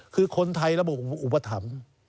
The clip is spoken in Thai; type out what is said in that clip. คือคนไทยระบบอุปถรรม